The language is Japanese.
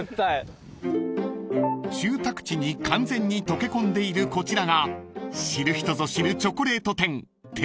［住宅地に完全に溶け込んでいるこちらが知る人ぞ知るチョコレート店］